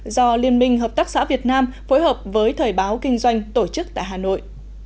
do liên minh hợp tác xã việt nam phối hợp với thời báo kinh doanh tổ chức tại hà nội